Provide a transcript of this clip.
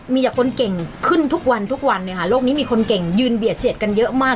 มีแต่คนเก่งขึ้นทุกวันทุกวันเนี่ยค่ะโลกนี้มีคนเก่งยืนเบียดเสียดกันเยอะมาก